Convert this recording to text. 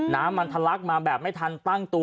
น้ำมันทะลักมาแบบไม่ทันตั้งตัว